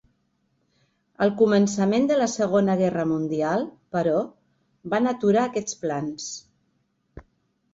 El començament de la Segona Guerra Mundial, però, van aturar aquests plans.